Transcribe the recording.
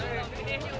ibu hajar banda aceh